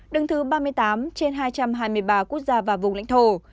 đứng thứ ba mươi tám trên hai trăm hai mươi ba quốc gia và vùng lãnh thổ